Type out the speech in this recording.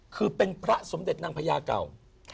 คือเป็นพระสมเด็จนางพญาเก่า